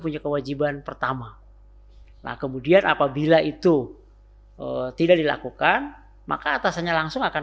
punya kewajiban pertama nah kemudian apabila itu tidak dilakukan maka atasannya langsung akan